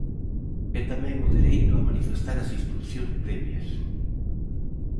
E tamén o dereito a manifestar as instrucións previas.